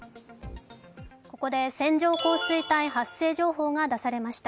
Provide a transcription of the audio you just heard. ここで線状降水帯発生情報が出されました。